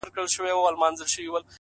د باران ورو ورو ختمېدل سکون زیاتوي،